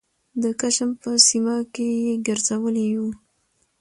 د کشم په سیمه کې یې ګرځولي یوو